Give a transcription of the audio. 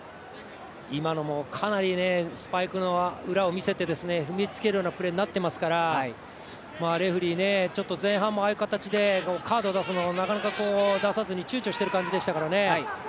今のもかなりスパイクの裏をみせて踏みつけるようなプレーになってますからレフェリー、前半もああいう形で、カード出すのもなかなか、出さずにちゅうちょしている感じでしたからね。